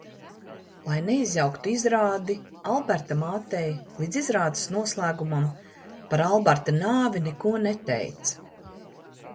Lai neizjauktu izrādi, Alberta mātei līdz izrādes noslēgumam par Alberta nāvi neko neteica.